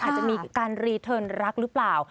อาจจะมีการรีเทิร์นรักหรือเปล่า